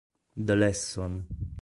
The Lesson